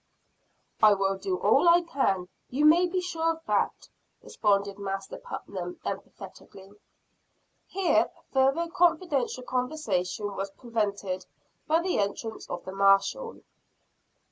"I will do all I can; you may be sure of that," responded Master Putnam emphatically. Here further confidential conversation was prevented by the entrance of the marshall.